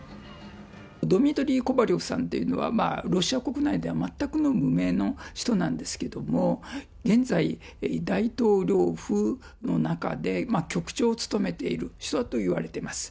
ドミトリー・コバリョフさんというのは、ロシア国内では全くの無名の人なんですけども、現在、大統領府の中で、局長を務めている人だといわれています。